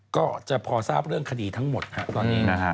ก็จะพอทราบเรื่องคดีทั้งหมดครับตอนนี้นะฮะ